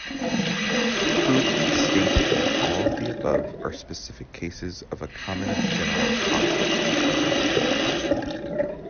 Crudely stated, all of the above are specific cases of a common general concept.